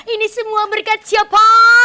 ini semua berkat siapa